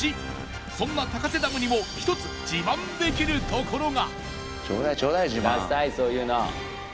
そんな高瀬ダムにも１つ自慢できるところが！